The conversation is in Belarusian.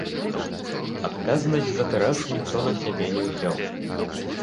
Адказнасць за тэракт ніхто на сябе не ўзяў.